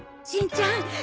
母ちゃん！